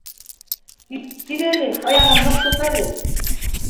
Кил әле аяғын ныҡ тот әле.